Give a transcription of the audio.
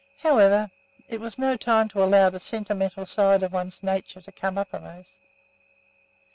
However, it was no time to allow the sentimental side of one's nature to come uppermost.